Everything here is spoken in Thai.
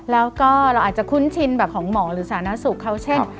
แล้วก็เราอาจจะคุ้นชินแบบของหมอหรือสาธารณสุขเขาเช่น